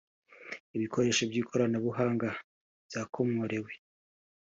ibikoresho by’ikoranabuhanga byakomorewe